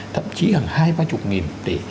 thậm chí hàng hai ba chục nghìn tỷ